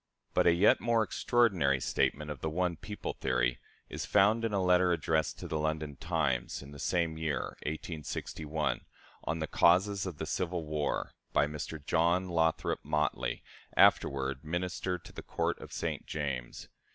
" But a yet more extraordinary statement of the "one people" theory is found in a letter addressed to the London "Times," in the same year, 1861, on the "Causes of the Civil War," by Mr. John Lothrop Motley, afterward Minister to the Court of St. James.